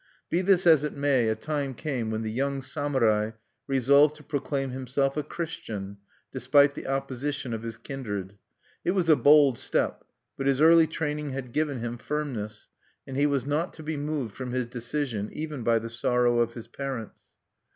Be this as it may, a time came when the young samurai resolved to proclaim himself a Christian, despite the opposition of his kindred. It was a bold step; but his early training had given him firmness; and he was not to be moved from his decision even by the sorrow of his parents.